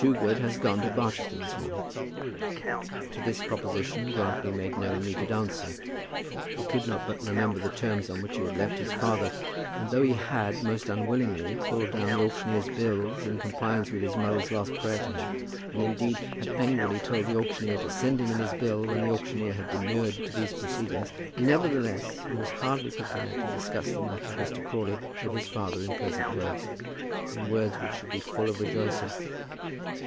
Toogood has gone to Barchester this morning." To this proposition Grantly made no immediate answer. He could not but remember the terms on which he had left his father; and though he had, most unwillingly, pulled down the auctioneer's bills, in compliance with his mother's last prayer to him, and, indeed, had angrily told the auctioneer to send him in his bill when the auctioneer had demurred to these proceedings, nevertheless he was hardly prepared to discuss the matter of Mr. Crawley with his father in pleasant words, in words which should be full of rejoicing.